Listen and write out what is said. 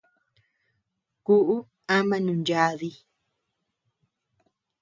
Kúʼu ama nunyadi.